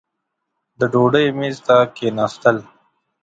د ډوډۍ مېز ته کښېنستل.